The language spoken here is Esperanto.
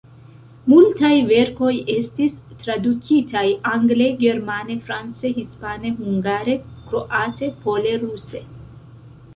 Multaj verkoj estis tradukitaj angle, germane, france, hispane, hungare, kroate, pole, ruse.